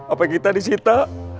apa yang kita disita